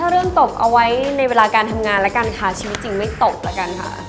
เรื่องตกเอาไว้ในเวลาการทำงานแล้วกันค่ะชีวิตจริงไม่ตกแล้วกันค่ะ